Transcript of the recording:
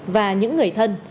và những người thân